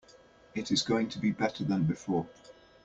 It is going to be better than before.